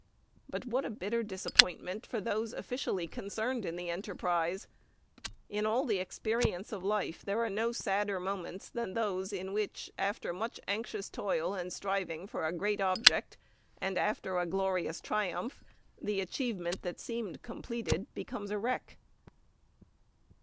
But what a bitter disappointment for those officially concerned in the enterprise! In all the experience of life there are no sadder moments than those in which, after much anxious toil in striving for a great object, and after a glorious triumph, the achievement that seemed complete becomes a wreck.